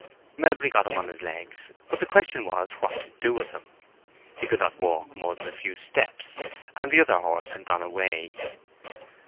Melbury got him on his legs; but the question was what to do with him. He could not walk more than a few steps, and the other horse had gone away.